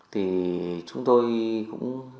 thì chúng tôi cũng